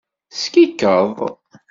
Skikeḍ.